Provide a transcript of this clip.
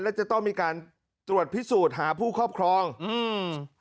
และจะต้องมีการตรวจพิสูจน์หาผู้ครอบครองอืม